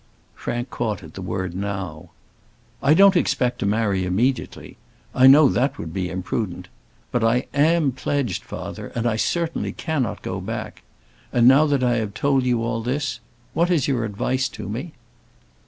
Frank caught at the word "now." "I don't expect to marry immediately. I know that would be imprudent. But I am pledged, father, and I certainly cannot go back. And now that I have told you all this, what is your advice to me?"